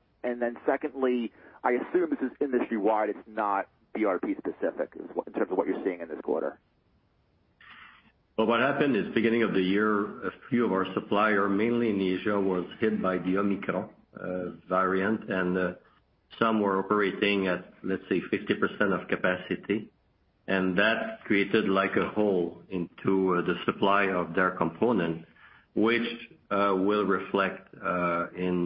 Secondly, I assume this is industry-wide, it's not BRP specific in terms of what you're seeing in this quarter. Well, what happened is beginning of the year, a few of our supplier, mainly in Asia, was hit by the Omicron variant, and some were operating at, let's say, 50% of capacity. That created like a hole into the supply of their component, which will reflect in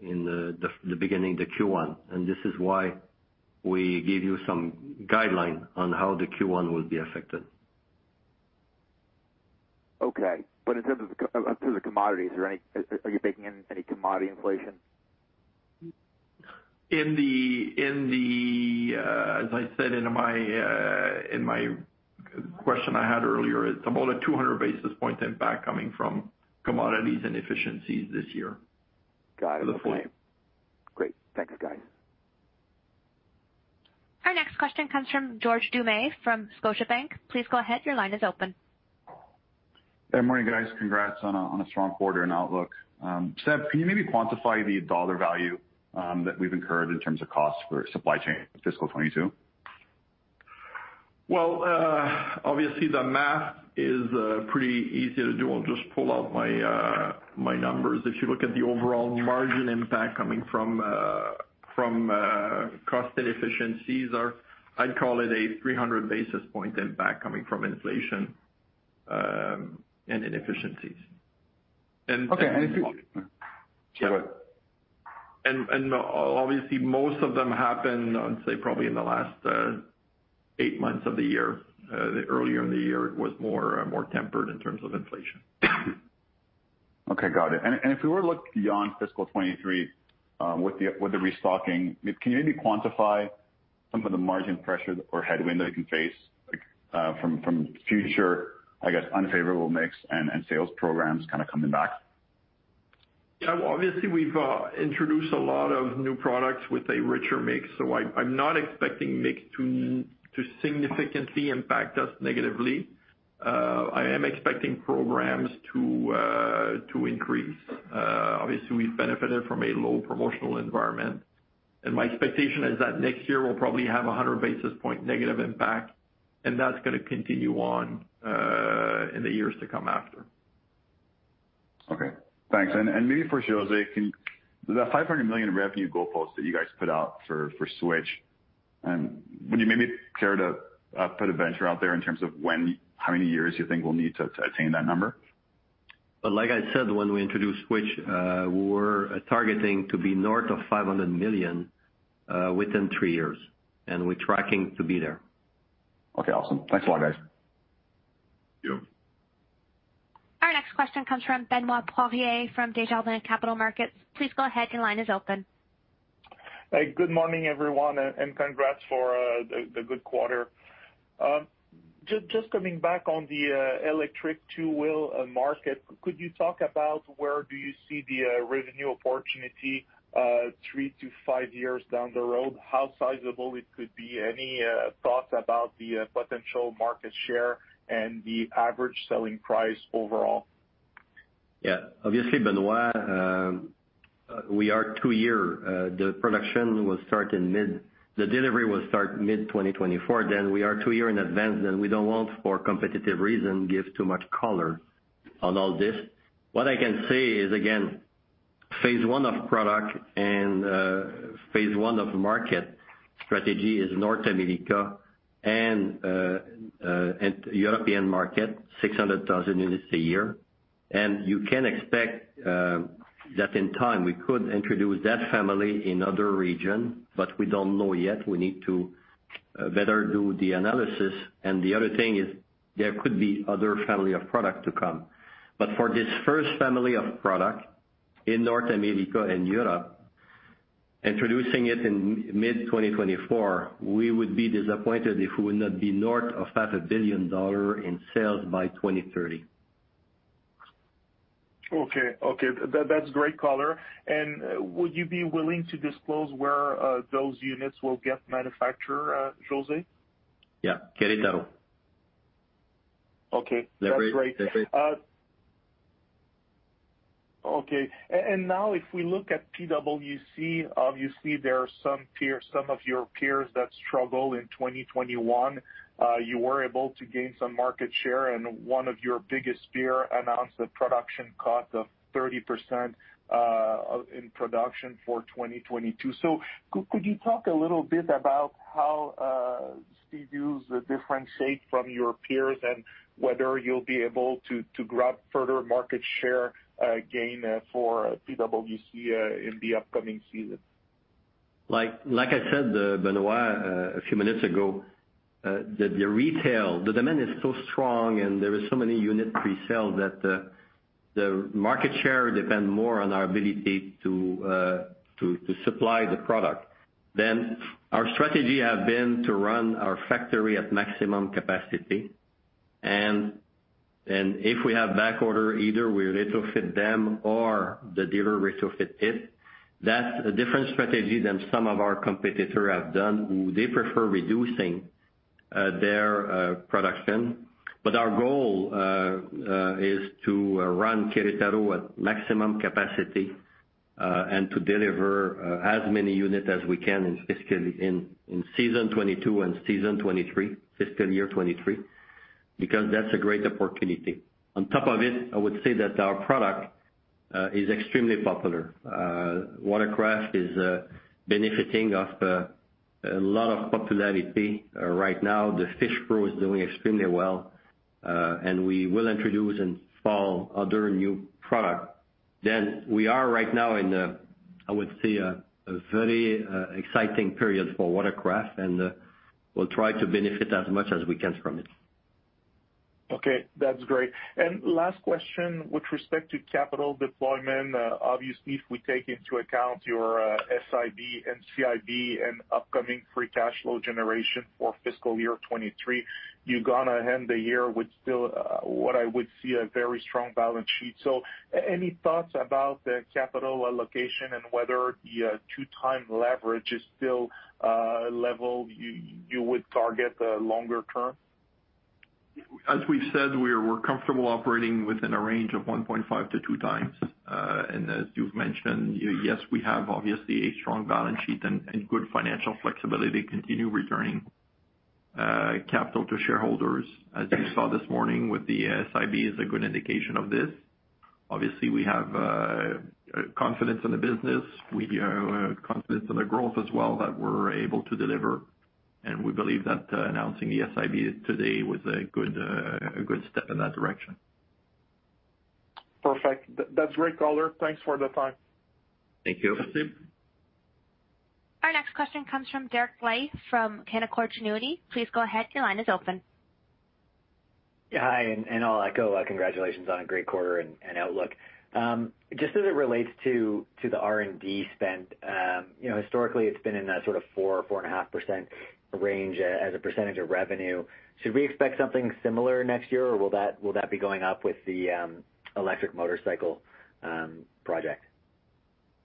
the beginning, the Q1. This is why we give you some guideline on how the Q1 will be affected. In terms of commodities, are you baking in any commodity inflation? As I said in my question I had earlier, it's about a 200 basis point impact coming from commodities and efficiencies this year. Got it. For the full year. Great. Thanks, guys. Our next question comes from George Doumet from Scotiabank. Please go ahead. Your line is open. Yeah. Morning, guys. Congrats on a strong quarter and outlook. Seb, can you maybe quantify the dollar value that we've incurred in terms of cost for supply chain fiscal 2022? Well, obviously the math is pretty easy to do. I'll just pull out my numbers. If you look at the overall margin impact coming from cost inefficiencies or I'd call it a 300 basis point impact coming from inflation, and inefficiencies. Okay. If you. Go ahead. Obviously most of them happen, I'd say probably in the last eight months of the year. Earlier in the year it was more tempered in terms of inflation. Okay, got it. If we were to look beyond fiscal 2023, with the restocking, can you maybe quantify some of the margin pressure or headwind that you can face, like, from future, I guess, unfavorable mix and sales programs kinda coming back? Yeah. Obviously, we've introduced a lot of new products with a richer mix, so I'm not expecting mix to significantly impact us negatively. I am expecting programs to increase. Obviously, we've benefited from a low promotional environment. My expectation is that next year we'll probably have 100 basis point negative impact, and that's gonna continue on in the years to come after. Okay. Thanks. Maybe for José, the 500 million revenue goalpost that you guys put out for Switch, would you maybe care to put a venture out there in terms of when, how many years you think we'll need to attain that number? Like I said, when we introduced Switch, we were targeting to be north of 500 million within three years, and we're tracking to be there. Okay. Awesome. Thanks a lot, guys. Yep. Our next question comes from Benoit Poirier from Desjardins Capital Markets. Please go ahead. Your line is open. Hey, good morning, everyone, congrats for the good quarter. Just coming back on the electric two-wheel market, could you talk about where you see the revenue opportunity three to five years down the road? How sizable it could be? Any thoughts about the potential market share and the average selling price overall? Obviously, Benoit, the delivery will start mid-2024. We are two years in advance. We don't want, for competitive reason, to give too much color on all this. What I can say is, again, phase one of product and phase one of market strategy is North America and European market, 600,000 units a year. You can expect that in time, we could introduce that family in other region, but we don't know yet. We need to better do the analysis. The other thing is there could be other family of product to come. For this first family of product in North America and Europe, introducing it in mid-2024, we would be disappointed if we would not be north of $500 million in sales by 2030. Okay. That's great color. Would you be willing to disclose where those units will get manufactured, José? Yeah, Querétaro. Okay. That's great. Delivery. Now if we look at PWC, obviously there are some peer, some of your peers that struggle in 2021. You were able to gain some market share and one of your biggest peer announced the production cuts of 30% in production for 2022. Could you talk a little bit about how Sea-Doo differentiate from your peers and whether you'll be able to grab further market share gain for PWC in the upcoming season? Like I said, Benoit, a few minutes ago, the retail demand is so strong and there are so many units pre-sale that the market share depend more on our ability to supply the product. Our strategy have been to run our factory at maximum capacity and if we have back order, either we retrofit them or the dealer retrofit it. That's a different strategy than some of our competitor have done, who they prefer reducing their production. Our goal is to run Querétaro at maximum capacity and to deliver as many units as we can in season 2022 and season 2023, fiscal year 2023, because that's a great opportunity. On top of it, I would say that our product is extremely popular. Watercraft is benefiting from a lot of popularity right now. The FishPro is doing extremely well, and we will introduce in fall other new product. We are right now in, I would say a very exciting period for Watercraft, and we'll try to benefit as much as we can from it. Okay, that's great. Last question with respect to capital deployment, obviously, if we take into account your SIB and NCIB and upcoming free cash flow generation for fiscal year 2023, you're gonna end the year with still what I would see as a very strong balance sheet. Any thoughts about the capital allocation and whether the 2x leverage is still a level you would target longer term? As we've said, we're comfortable operating within a range of 1.5x-2x. As you've mentioned, yes, we have obviously a strong balance sheet and good financial flexibility to continue returning capital to shareholders. As you saw this morning, the SIB is a good indication of this. Obviously, we have confidence in the business. We have confidence in the growth as well that we're able to deliver, and we believe that announcing the SIB today was a good step in that direction. Perfect. That's great color. Thanks for the time. Thank you. Merci. Our next question comes from Derek Dley from Canaccord Genuity. Please go ahead, your line is open. Yeah. Hi, I'll echo congratulations on a great quarter and outlook. Just as it relates to the R&D spend, you know, historically it's been in a sort of 4.5% range as a percentage of revenue. Should we expect something similar next year, or will that be going up with the electric motorcycle project?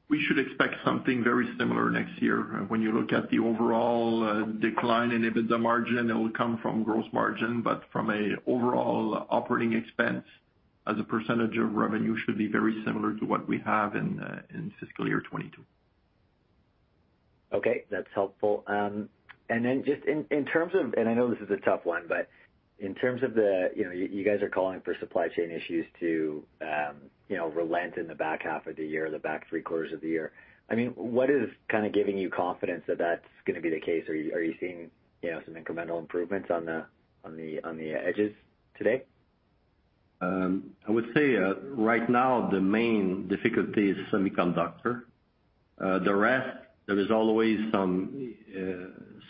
We should expect something very similar next year. When you look at the overall decline in EBITDA margin, it will come from gross margin, but from an overall operating expense as a percentage of revenue should be very similar to what we have in fiscal year 2022. Okay, that's helpful. I know this is a tough one, but in terms of the, you know, you guys are calling for supply chain issues to, you know, relent in the back half of the year, the back three quarters of the year. I mean, what is kind of giving you confidence that that's gonna be the case? Are you seeing, you know, some incremental improvements on the edges today? I would say right now the main difficulty is semiconductor. The rest, there is always some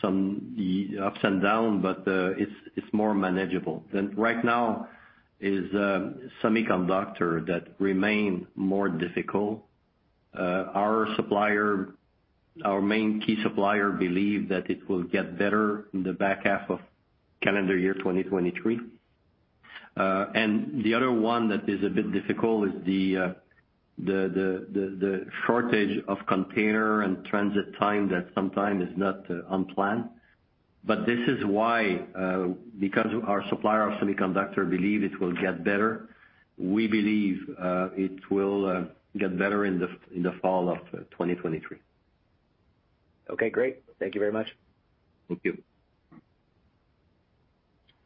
ups and down, but it's more manageable. Right now is semiconductor that remain more difficult. Our supplier, our main key supplier believe that it will get better in the back half of calendar year 2023. The other one that is a bit difficult is the shortage of container and transit time that sometimes is not unplanned. This is why, because our supplier of semiconductor believe it will get better, we believe it will get better in the fall of 2023. Okay, great. Thank you very much. Thank you.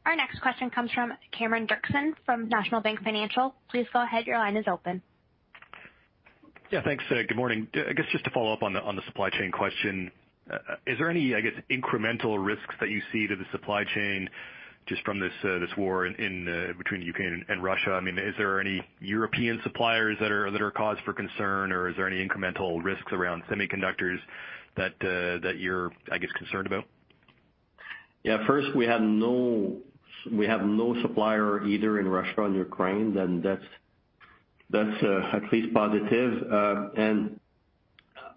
Our next question comes from Cameron Doerksen from National Bank Financial. Please go ahead, your line is open. Yeah, thanks. Good morning. I guess just to follow up on the supply chain question. Is there any, I guess, incremental risks that you see to the supply chain just from this war between Ukraine and Russia? I mean, is there any European suppliers that are cause for concern, or is there any incremental risks around semiconductors that you're, I guess, concerned about? Yeah. First, we have no supplier either in Russia or Ukraine. That's at least positive.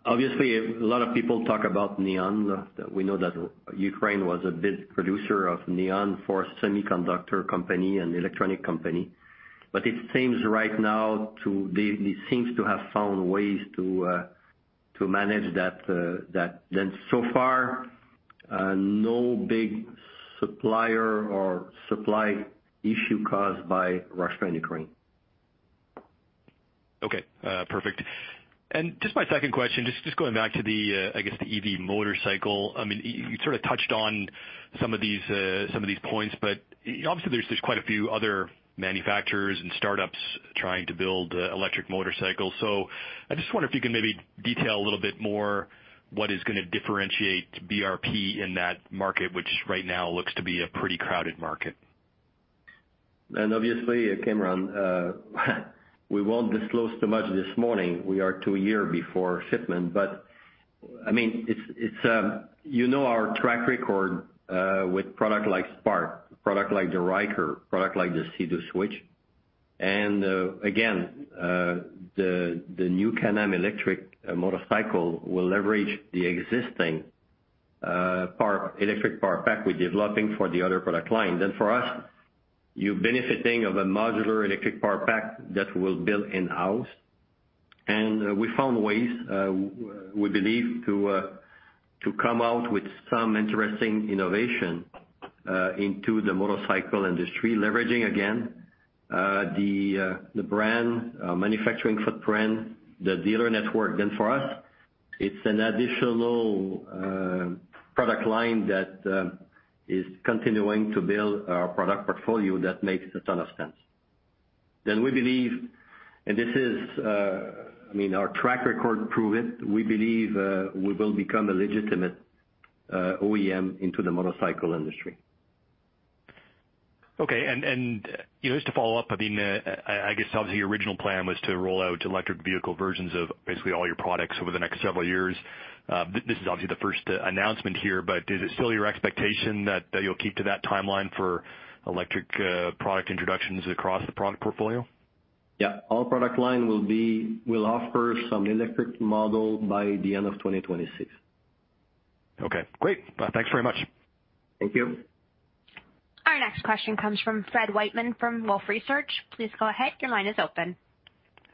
Obviously a lot of people talk about neon. We know that Ukraine was a big producer of neon for semiconductor companies and electronics companies. It seems right now they seem to have found ways to manage that. So far, no big supplier or supply issue caused by Russia and Ukraine. Okay. Perfect. Just my second question, just going back to the, I guess, the EV motorcycle. I mean, you sort of touched on some of these points, but obviously, there's quite a few other manufacturers and startups trying to build electric motorcycles. So I just wonder if you can maybe detail a little bit more what is gonna differentiate BRP in that market, which right now looks to be a pretty crowded market? Obviously, Cameron, we won't disclose too much this morning. We are two years before shipment. I mean, it's. You know our track record with product like Spark, product like the Ryker, product like the Sea-Doo Switch. Again, the new Can-Am electric motorcycle will leverage the existing electric power pack we're developing for the other product lines. For us, we're benefiting from a modular electric power pack that we'll build in-house. We found ways, we believe, to come out with some interesting innovation into the motorcycle industry, leveraging again the brand, manufacturing footprint, the dealer network. For us, it's an additional product line that is continuing to build our product portfolio that makes a ton of sense. We believe, and this is, I mean, our track record prove it, we will become a legitimate OEM into the motorcycle industry. Okay, you know, just to follow up, I mean, I guess, obviously, your original plan was to roll out electric vehicle versions of basically all your products over the next several years. This is obviously the first announcement here, but is it still your expectation that you'll keep to that timeline for electric product introductions across the product portfolio? Yeah. All product line will offer some electric model by the end of 2026. Okay. Great. Thanks very much. Thank you. Our next question comes from Fred Wightman from Wolfe Research. Please go ahead. Your line is open.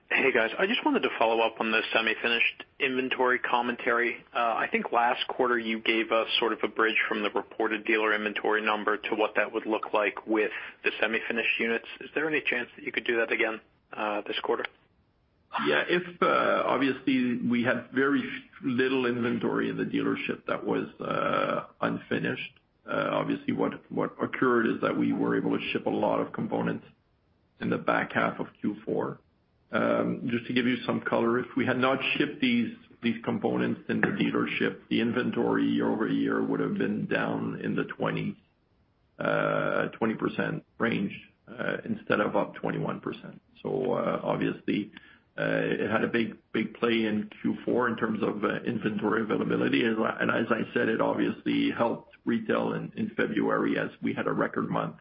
Hey, guys. I just wanted to follow up on the semi-finished inventory commentary. I think last quarter you gave us sort of a bridge from the reported dealer inventory number to what that would look like with the semi-finished units. Is there any chance that you could do that again, this quarter? Yeah. If obviously we have very little inventory in the dealership that was unfinished. Obviously, what occurred is that we were able to ship a lot of components in the back half of Q4. Just to give you some color, if we had not shipped these components in the dealership, the inventory year-over-year would have been down in the 20% range instead of up 21%. Obviously, it had a big play in Q4 in terms of inventory availability. As I said, it obviously helped retail in February as we had a record month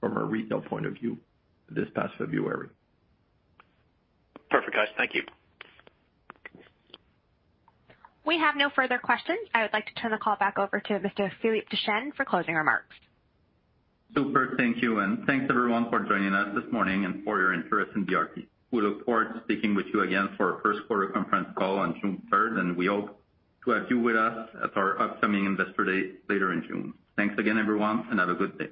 from a retail point of view this past February. Perfect, guys. Thank you. We have no further questions. I would like to turn the call back over to Mr. Philippe Deschênes for closing remarks. Super. Thank you. Thanks, everyone, for joining us this morning and for your interest in BRP. We look forward to speaking with you again for our first quarter conference call on June third, and we hope to have you with us at our upcoming Investor Day later in June. Thanks again, everyone, and have a good day.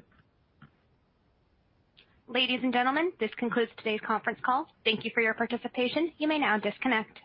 Ladies and gentlemen, this concludes today's conference call. Thank you for your participation. You may now disconnect.